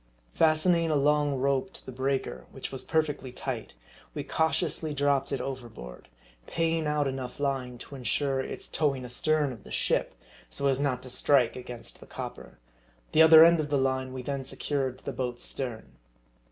Fastening a long rope to the breaker, which was perfectly tight, we cautiously dropped it overboard ; paying out enough line, to insure its towing astern of the ship, so as not to strike against the copper. The other end of the line we then secured to the boat's stern.